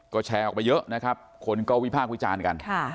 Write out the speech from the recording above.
ก็แชร์ออกไปเยอะนะครับคนก็วิพากษ์วิจารณ์กัน